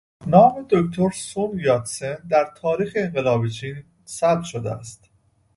نام دکتر سون یاتسن در تاریخ انقلاب چین ثبت شده است.